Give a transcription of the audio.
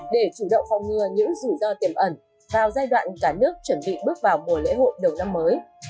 để chủ động phòng ngừa những rủi ro tiềm ẩn vào giai đoạn cả nước chuẩn bị bước vào mùa lễ hội đầu năm mới